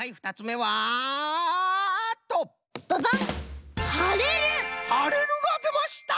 「はれる」がでました！